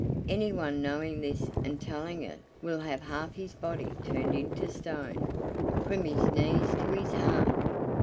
Anyone knowing this and telling it will have half his body turned into stone, from his knees to his heart."